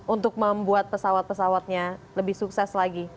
untuk membuat pesawat pesawatnya lebih sukses lagi